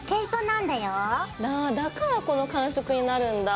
なあだからこの感触になるんだ。